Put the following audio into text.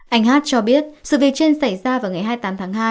anh hát cho biết sự việc trên xảy ra vào ngày hai mươi tám tháng hai